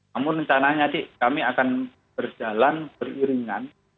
namun rencananya kami akan berjalan beriringan